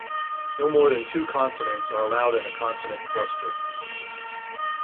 No more than two consonants are allowed in a consonant cluster.